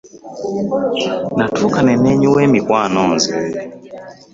Natuuka ne nneenyiwa emikwano nze.